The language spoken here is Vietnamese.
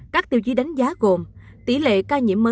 các tiêu chí đánh giá gồm